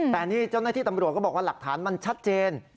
แต่นี่เจ้าหน้าที่ตำรวจก็บอกว่าหลักฐานมันชัดเจน